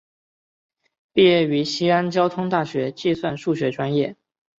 毕业于西安交通大学计算数学专业。